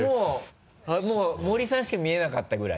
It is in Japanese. もう森さんしか見えなかったぐらい？